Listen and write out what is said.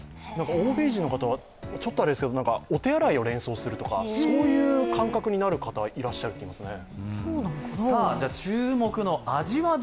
欧米人の方は、ちょっとあれですけど、お手洗いを連想するとか、そういう感覚になる方がいらっしゃるといいますね。